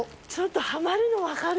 はまるの分かる。